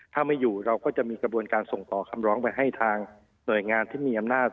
ถ้าไม่อยู่เราก็จะมีกระบวนการส่งต่อคำร้องไปให้ทางหน่วยงานที่มีอำนาจ